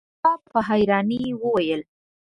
تواب په حيرانی وويل: